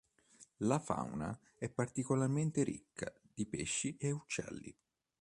La fauna è particolarmente ricca di pesci e uccelli.